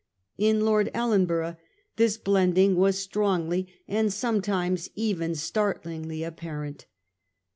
In Lord Ellenborough this blending was strongly, and sometimes even startlingly, apparent.